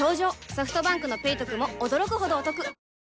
ソフトバンクの「ペイトク」も驚くほどおトク